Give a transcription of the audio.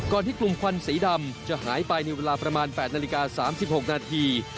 ที่กลุ่มควันสีดำจะหายไปในเวลาประมาณ๘นาฬิกา๓๖นาที